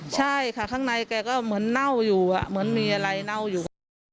ใช่ค่ะข้างในแกก็เหมือนเน่าอยู่เหมือนมีอะไรเน่าอยู่